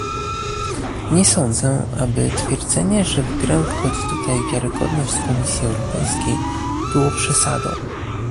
Nie sądzę, aby twierdzenie, że w grę wchodzi tutaj wiarygodność Komisji Europejskiej, było przesadą